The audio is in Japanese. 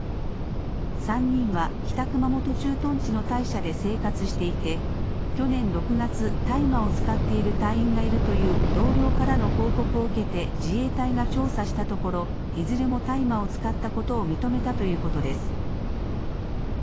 ３人は北熊本駐屯地の隊舎で生活していて去年６月大麻を使っている隊員がいるという同僚からの報告を受けて自衛隊が調査したところいずれも大麻を使ったことを認めたということです。